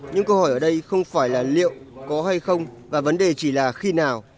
những câu hỏi ở đây không phải là liệu có hay không và vấn đề chỉ là khi nào